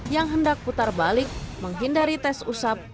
yang hendak putar balik menghindari tes usap